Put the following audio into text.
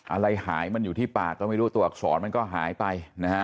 อะไรหายมันอยู่ที่ปากก็ไม่รู้ตัวอักษรมันก็หายไปนะฮะ